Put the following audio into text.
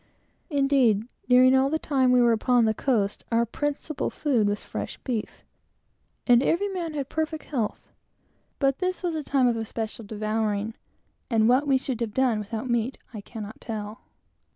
Indeed, during all the time we were upon the coast, our principal food was fresh beef, and every man had perfect health; but this was a time of especial devouring; and what we should have done without meat, I cannot tell.